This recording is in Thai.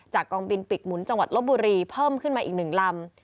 กองบินปิกหมุนจังหวัดลบบุรีเพิ่มขึ้นมาอีก๑ลำ